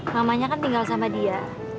mamanya kan tinggal sama dia